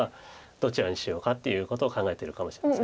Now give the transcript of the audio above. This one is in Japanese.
どちらにしようかっていうことを考えてるかもしれません。